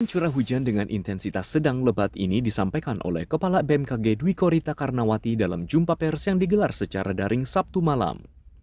curah hujan dengan intensitas sedang lebat ini disampaikan oleh kepala bmkg dwi korita karnawati dalam jumpa pers yang digelar secara daring sabtu malam